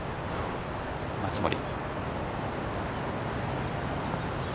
松森。